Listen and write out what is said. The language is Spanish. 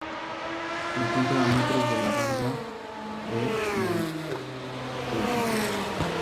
Se encuentra a metros de la Rambla de Montevideo.